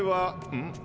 うん？